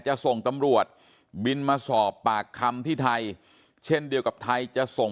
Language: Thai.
จะส่งตำรวจบินมาสอบปากคำที่ไทยเช่นเดียวกับไทยจะส่ง